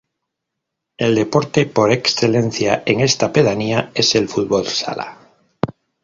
El deporte por excelencia en esta pedanía es el fútbol sala.